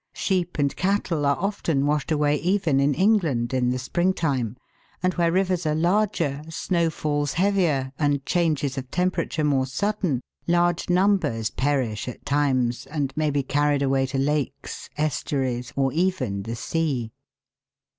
Sheep and cattle are often washed away even in England in the spring time, and where rivers are larger snowfalls heavier, and changes of temperature more sudden, large numbers perish at times, and may be carried away to lakes, estuaries, or even the sea.